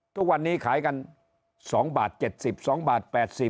ทุกวันนี้ขายกัน๒บาท๗๒บาท๘๐บาท